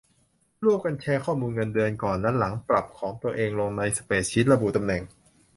ร่วมกันแชร์ข้อมูลเงินเดือนก่อนและหลังปรับของตัวเองลงในสเปรดชีต ระบุตำแหน่ง